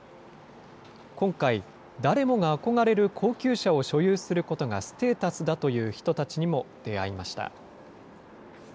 今回、誰もが憧れる高級車を所有することがステータスだという人たちにも出会いました。